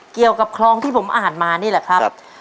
เกี่ยวกับคลองที่ผมอ่านมานี่แหละครับ